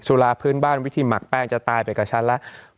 ลาพื้นบ้านวิธีหมักแป้งจะตายไปกับฉันแล้ว